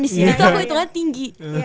di sini tuh aku hitungannya tinggi